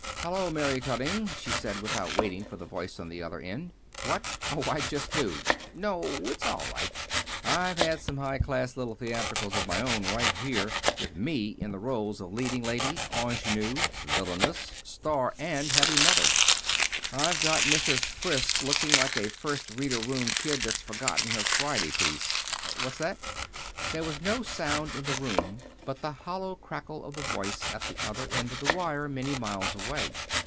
"Hello, Mary Cutting," she said, without waiting for the voice at the other end. "What? Oh, I just knew. No, it's all right. I've had some high class little theatricals of my own, right here, with me in the roles of leading lady, ingenue, villainess, star, and heavy mother. I've got Mrs. Fiske looking like a First Reader Room kid that's forgotten her Friday piece. What's that?" There was no sound in the room but the hollow cackle of the voice at the other end of the wire, many miles away.